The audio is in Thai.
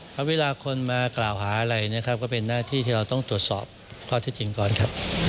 เวลาคนมากล่าวหาอะไรนะครับก็เป็นหน้าที่ที่เราต้องตรวจสอบข้อที่จริงก่อนครับ